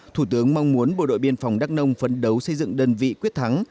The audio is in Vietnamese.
thủ tướng mong muốn bộ đội biên phòng đắk nông phấn đấu xây dựng đơn vị quyết thắng